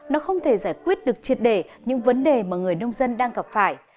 nó không thể giải quyết được triệt đề những vấn đề mà người nông dân đang gặp phải